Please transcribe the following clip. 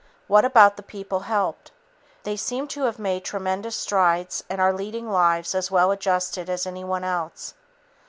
What about the people helped? They seem to have made tremendous strides and are leading lives as well adjusted as anyone else.